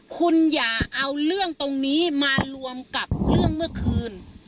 คุณอย่าเอาเรื่องตรงนี้มารวมกับเรื่องเมื่อคืน